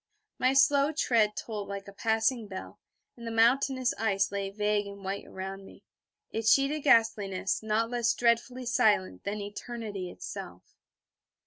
My slow tread tolled like a passing bell, and the mountainous ice lay vague and white around me, its sheeted ghastliness not less dreadfully silent than eternity itself.